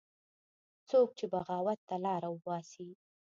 څوک چې بغاوت ته لاره وباسي